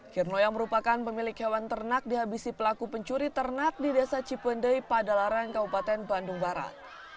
kirno yang merupakan pemilik hewan ternak dihabisi pelaku pencuri ternak di desa cipendei pada larang kabupaten bandung barat